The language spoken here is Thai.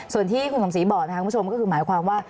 ส่วนที่คุณสมศรีบอกนะครับคุณผู้ชมก็คือหมายความว่า